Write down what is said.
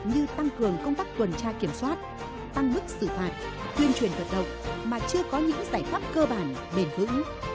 như tăng cường công tác tuần tra kiểm soát tăng mức xử phạt tuyên truyền vận động mà chưa có những giải pháp cơ bản bền vững